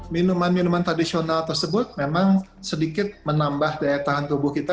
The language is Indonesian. minuman minuman tradisional tersebut memang sedikit menambah daya tahan tubuh kita